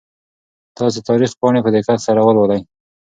تاسو د تاریخ پاڼې په دقت سره ولولئ.